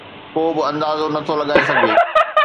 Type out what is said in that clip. ڪو به اندازو نٿو لڳائي سگهي